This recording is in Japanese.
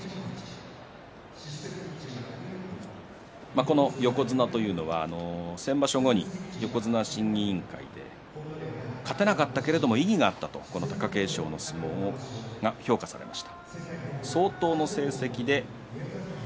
この横綱というのは先場所後に横綱審議委員会で勝てなかったけれども意義があったと貴景勝の相撲を評価しました。